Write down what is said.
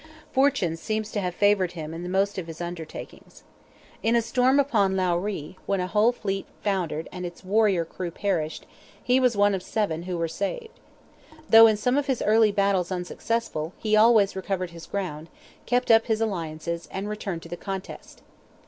Fortune seems to have favoured him in most of his undertakings. In a storm upon Lough Ree, when a whole fleet foundered and its warrior crew perished, he was one of seven who were saved. Though in some of his early battles unsuccessful, he always recovered his ground, kept up his alliances, and returned to the contest.